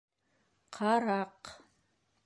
Ҡараҡ.